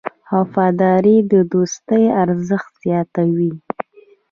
وفاداري د دوستۍ ارزښت زیاتوي.